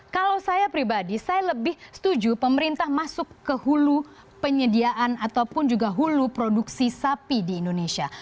kalau saya pribadi saya lebih setuju pemerintah masuk ke hulu penyediaan ataupun juga hulu produksi sapi di indonesia